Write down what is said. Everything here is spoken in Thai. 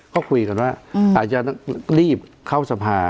ก็คุยกันว่าอาจจะรีบเข้าสภา